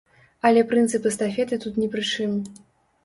Але прынцып эстафеты тут ні пры чым.